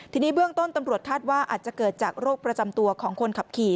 ทีนี้เบื้องต้นตำรวจคาดว่าอาจจะเกิดจากโรคประจำตัวของคนขับขี่